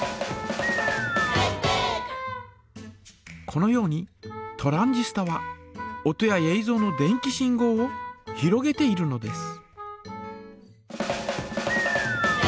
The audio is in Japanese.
このようにトランジスタは音やえいぞうの電気信号をひろげているのです。